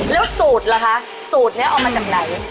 แล้วสูตรล่ะคะสูตรนี้เอามาจากไหน